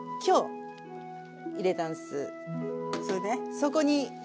そこに。